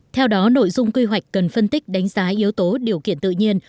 theo đó nội dung quy hoạch cần phân tích đánh giá yếu tố điều kiện tự nhiên